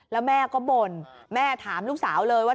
แล้วแม่ก็บ่นแม่ถามลูกสาวเลยว่า